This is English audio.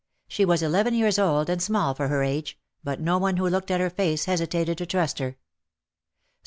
She was eleven years old and small for her age, but no one who looked at her face hesitated to trust her.